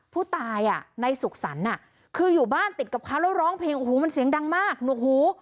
ผู้ตายในสุขสรรค์คืออยู่บ้านติดกับเขาแล้วร้องเพลงโอ้โหมันเสียงดังมากหนุกหู